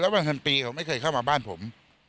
วันเงินปีเขาไม่เคยเข้ามาบ้านผม